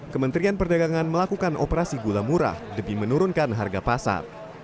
kementerian perdagangan melakukan operasi gula murah demi menurunkan harga pasar